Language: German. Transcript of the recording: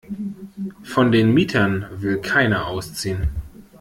Von den Mietern will keiner ausziehen.